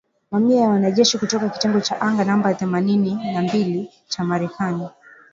Mamia ya wanajeshi kutoka kitengo cha anga namba themanini na mbili cha Marekani.